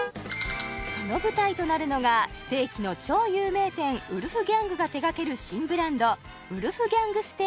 その舞台となるのがステーキの超有名店ウルフギャングが手がける新ブランド